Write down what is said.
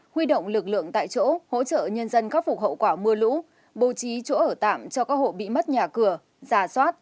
huy động lực lượng tại chỗ hỗ trợ nhân dân khắc phục hậu quả mưa lũ bố trí chỗ ở tạm cho các hộ bị mất nhà cửa giả soát